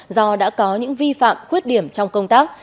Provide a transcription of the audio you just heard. do đã có những vi phạm khuyết điểm trong công tác